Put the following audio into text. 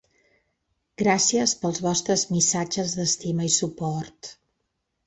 Gràcies pels vostres missatges d’estima i suport.